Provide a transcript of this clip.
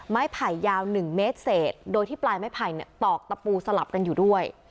ไผ่ยาว๑เมตรเศษโดยที่ปลายไม้ไผ่ตอกตะปูสลับกันอยู่ด้วย